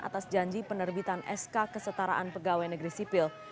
atas janji penerbitan sk kesetaraan pegawai negeri sipil